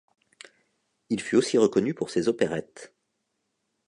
Il fut aussi reconnu pour ses opérettes.